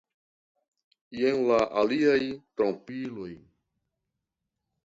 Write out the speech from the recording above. Jen la aliaj trompiloj.